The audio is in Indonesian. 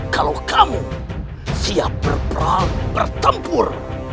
kalau kamu siap berperang bertempur